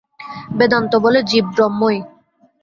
বেদান্ত বলে, জীব ব্রহ্মই।